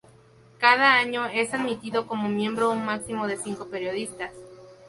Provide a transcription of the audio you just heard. Cada año es admitido como miembro un máximo de cinco periodistas.